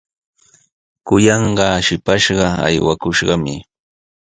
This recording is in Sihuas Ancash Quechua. Kuyanqaa shipashqa aywakushqami.